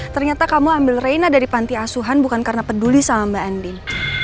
ternyata kamu ambil reina dari panti asuhan bukan karena peduli sama mbak andin